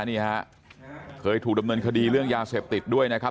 นี่ฮะเคยถูกดำเนินคดีเรื่องยาเสพติดด้วยนะครับ